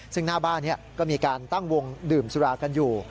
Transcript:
ซึ่งหน้าบ้านนี้ก็มีการตั้งวงดื่มสุรากันอยู่